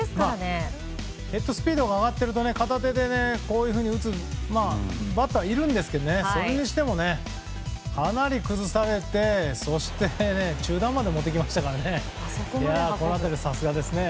ヘッドスピードが上がっていると片手でこういうふうに打つバッターっていうのはいるんですけどそれにしてもかなり崩されてそして中段まで持っていきましたからねこの辺りはさすがですね。